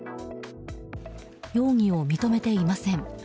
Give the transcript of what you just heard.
容疑を認めていません。